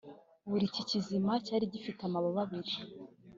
buri kizima cyari gifite amababa abiri